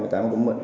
em cũng mượn